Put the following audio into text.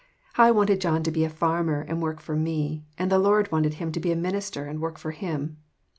I wanted John to be a farmer and work for me, and the Lord wanted him to be a minister and work for him.